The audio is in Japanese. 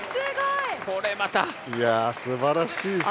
いやすばらしいですね。